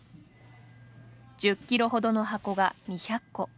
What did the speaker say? １０キロほどの箱が２００個。